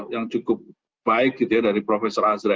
yang cukup baik dari prof azra